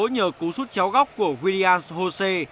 nhờ cú sút chéo góc của willian jose